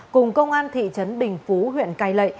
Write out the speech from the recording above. cùng công an thị trấn bình phú huyện cai lệ